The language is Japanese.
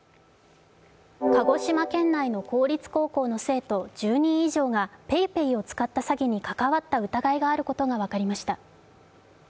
鹿児島県内の公立高校の生徒１０人以上がＰａｙＰａｙを使った詐欺に関わった疑いがあることが分かりました。